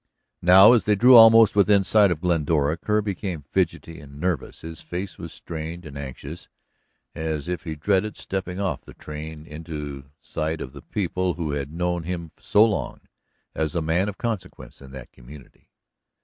Now as they drew almost within sight of Glendora, Kerr became fidgety and nervous. His face was strained and anxious, as if he dreaded stepping off the train into sight of the people who had known him so long as a man of consequence in that community.